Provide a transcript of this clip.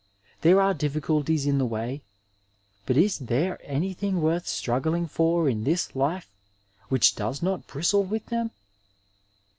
There are difficultieB in the way ; bat is there anything worth struggling for in this life which does not bristle with them